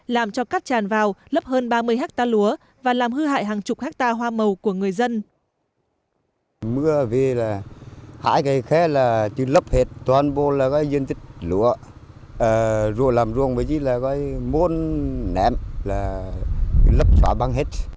làm cho cắt tràn vào lấp hơn ba mươi ha lúa và làm hư hại hàng chục ha hoa màu của người dân